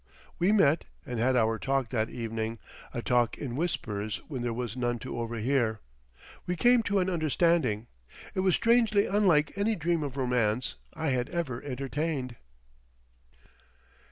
We met and had our talk that evening, a talk in whispers when there was none to overhear; we came to an understanding. It was strangely unlike any dream of romance I had ever entertained.